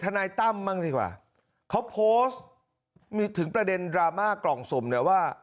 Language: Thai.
นายตั้มบ้างดีกว่าเขาโพสต์ถึงประเด็นดราม่ากล่องสุ่มเนี่ยว่า